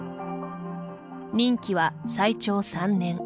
任期は最長３年。